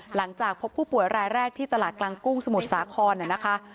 หลังจากพบผู้ป่วยรายแรกที่ตลาดกลางกุ้งสมุทรสาครนะคะ